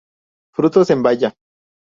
Frutos en baya.